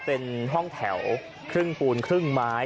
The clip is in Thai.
เป็นห้องแถวครึ่งปูนครึ่งไม้